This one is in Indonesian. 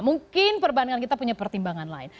mungkin perbandingan kita punya pertimbangan lain